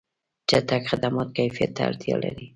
چټک خدمات کیفیت ته اړتیا لري.